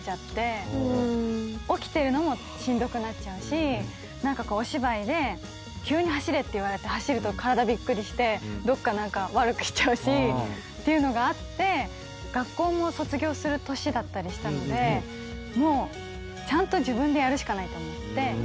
起きてるのもしんどくなっちゃうしお芝居で急に走れって言われて走ると体びっくりしてどっか何か悪くしちゃうしっていうのがあって学校も卒業する年だったりしたのでもうちゃんと自分でやるしかないと思って。